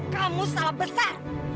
kamu salah besar